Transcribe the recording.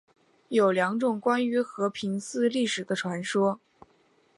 有两种关于和平寺历史的传说。